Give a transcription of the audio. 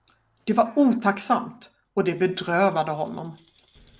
Det var otacksamt, och det bedrövade honom.